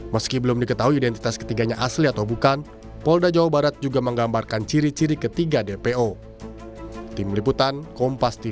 meski belum diketahui identitas ketiganya asli atau bukan polda jawa barat juga menggambarkan ciri ciri ketiga dpo